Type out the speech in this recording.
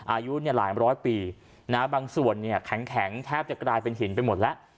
อายุเนี่ยหลายหรอบร้อยปีนะฮะบางส่วนนี่แข็งแข็งแทบจะกลายเป็นหินไปหมดแล้ว